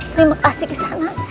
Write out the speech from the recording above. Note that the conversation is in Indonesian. terima kasih sangat